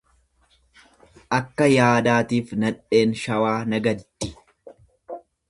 Akka yaadaatiif nadheen shawaa nagaddi.